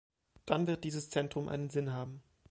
Dann wird dieses Zentrum einen Sinn haben.